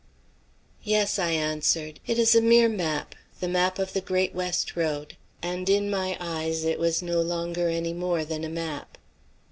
"Yes," I answered, "it is a mere map, the map of the Great West Road;" and in my eyes it was no longer any more than a map.